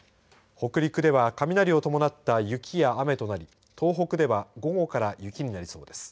北陸では雷を伴った雪や雨となり東北では午後から雪になりそうです。